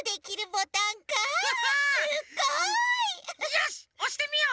よしっおしてみよう！